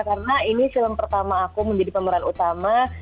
karena ini film pertama aku menjadi pemeran utama